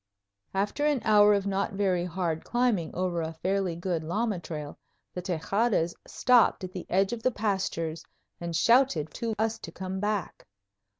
After an hour of not very hard climbing over a fairly good llama trail, the Tejadas stopped at the edge of the pastures and shouted to us to come back.